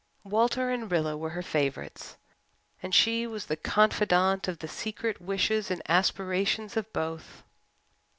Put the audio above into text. Walter and Rilla were her favourites and she was the confidante of the secret wishes and aspirations of both.